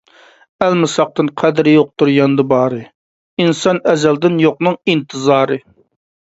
ئەلمىساقتىن قەدرى يوقتۇر ياندا بارى، ئىنسان ئەزەلدىن يوقنىڭ ئىنتىزارى.